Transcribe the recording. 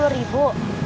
ada uang empat puluh ribu